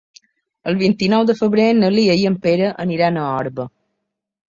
El vint-i-nou de febrer na Lia i en Pere aniran a Orba.